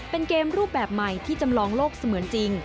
เป็นเกมรูปแบบใหม่ที่จำลองโลกเสมือนจริง